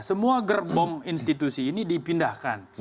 semua gerbong institusi ini dipindahkan